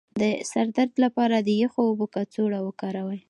د سر د درد لپاره د یخو اوبو کڅوړه وکاروئ